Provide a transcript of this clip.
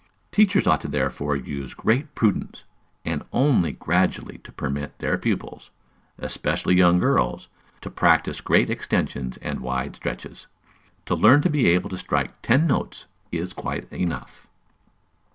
Teachers ought therefore to use great prudence, and only gradually to permit their pupils, especially young girls, to practise great extensions and wide stretches. To learn to be able to strike ten notes is quite enough.